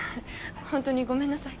ほんとにごめんなさい。